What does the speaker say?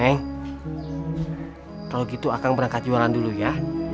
neng kalau gitu akan berangkat jualan dulu ya